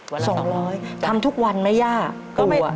วันละ๒๐๐จ๊ะทำทุกวันไหมย่าปู่อะปู่